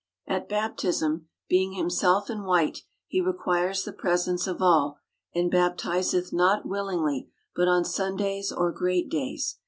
At baptism, being himself in white, he requires the presence of all, and baptizeth not willingly, but on Sun days or great days.